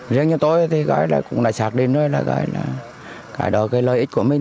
riêng như tôi cũng đã xác định cải đổi lợi ích của mình